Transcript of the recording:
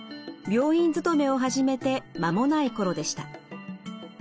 病院勤めを始めて間もない頃でした。